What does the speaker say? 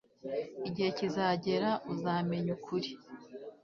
Igihe kizagera uzamenya ukuri